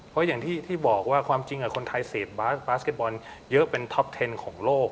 เพราะอย่างที่บอกว่าความจริงคนไทยเสพบาสบาสเก็ตบอลเยอะเป็นท็อปเทนของโลก